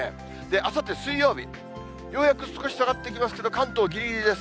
あさって水曜日、ようやく少し下がってきますけど、関東ぎりぎりです。